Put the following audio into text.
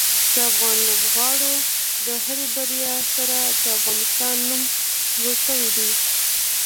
د افغان لوبغاړو د هرې بریا سره د افغانستان نوم لوړ شوی دی.